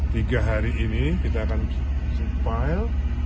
tiga hari ini kita akan suppyle